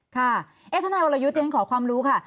ท่านไทยวรยุทธยังขอความรู้ค่ะ